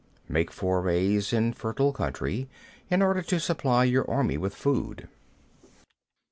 21. Make forays in fertile country in order to supply your army with food.